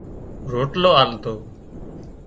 روٽلو آلتو